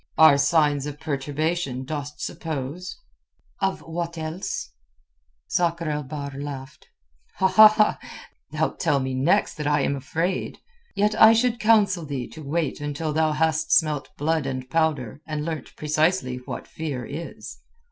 "Are signs of perturbation, dost suppose?" "Of what else?" Sakr el Bahr laughed. "Thou'lt tell me next that I am afraid. Yet I should counsel thee to wait until thou hast smelt blood and powder, and learnt precisely what fear is."